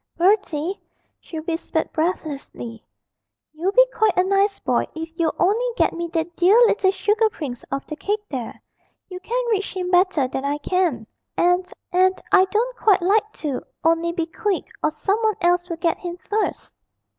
'Bertie,' she whispered breathlessly, 'you'll be quite a nice boy if you'll only get me that dear little sugar prince off the cake there; you can reach him better than I can, and and I don't quite like to only, be quick, or some one else will get him first.'